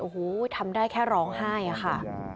โอ้โหทำได้แค่ร้องไห้อะค่ะ